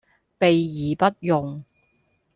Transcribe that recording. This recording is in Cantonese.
備而不用